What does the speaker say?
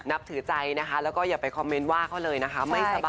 นับถือใจก็อย่าไปคอมเม้นต์บ้านว่าเขาเลยค่ะไม่สบายค่ะ